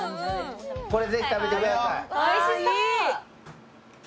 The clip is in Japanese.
これぜひ食べてください。